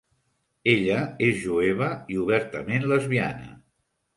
Ella és jueva i obertament lesbiana.